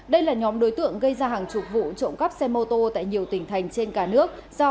đây là nhóm đối tượng gây ra hàng chục vụ trộm cắp xe mô tô